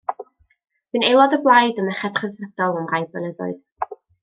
Bu'n aelod o Blaid y Merched Rhyddfrydol am rai blynyddoedd.